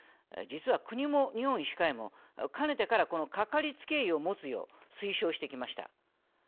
実は国も日本医師会もかねてからこのかかりつけ医を持つよう推奨してきました。